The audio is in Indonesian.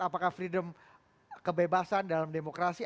apakah freedom kebebasan dalam demokrasi